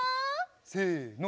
せの。